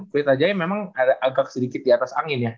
pritajaya memang agak sedikit di atas angin ya